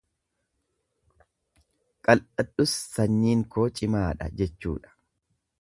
Qal'adhus sanyiin koo cimaadha jechuudha.